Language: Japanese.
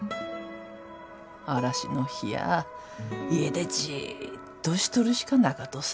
嵐の日や家でじっとしとるしかなかとさ。